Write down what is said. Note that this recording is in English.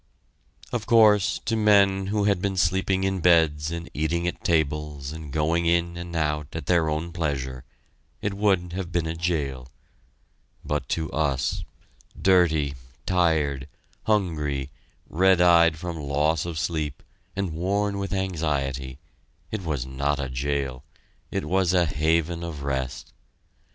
Of course, to men who had been sleeping in beds and eating at tables and going in and out at their own pleasure, it would have been a jail; but to us, dirty, tired, hungry, red eyed from loss of sleep, and worn with anxiety, it was not a jail it was a haven of rest.